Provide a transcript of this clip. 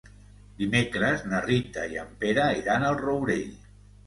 Dimecres na Rita i en Pere iran al Rourell.